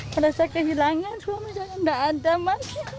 merasa kehilangan suami saya tidak ada